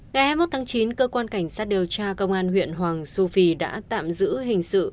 ngày hai mươi một tháng chín cơ quan cảnh sát điều tra công an huyện hoàng su phi đã tạm giữ hình sự